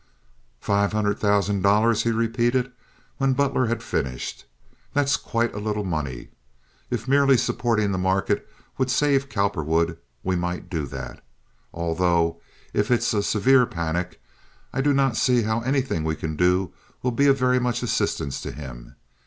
"Five hundred thousand dollars!" he repeated, when Butler had finished. "That is quite a little money. If merely supporting the market would save Cowperwood we might do that, although if it's a severe panic I do not see how anything we can do will be of very much assistance to him.